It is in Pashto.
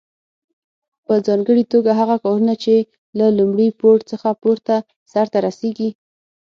په ځانګړي توګه هغه کارونه چې له لومړي پوړ څخه پورته سرته رسیږي.